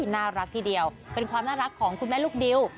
น่ารักทีเดียวเป็นความน่ารักของคุณแม่ลูกดิว